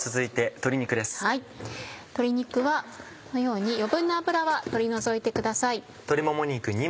鶏肉はこのように余分な脂は取り除いてください。